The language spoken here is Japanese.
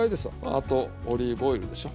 あとオリーブオイルでしょ。